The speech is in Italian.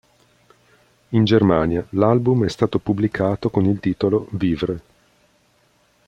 In Germania l'album è stato pubblicato con il titolo Vivre.